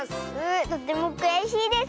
とてもくやしいです。